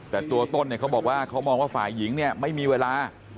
แต่ตัวต้นเนี่ยเขาบอกว่าเขามองว่าฝ่ายหญิงเนี่ยไม่มีเวลา